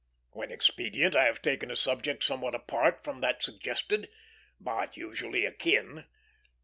When expedient, I have taken a subject somewhat apart from that suggested, but usually akin.